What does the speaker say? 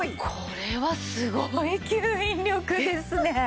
これはすごい吸引力ですね。